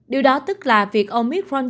điều đó tức là việc omicron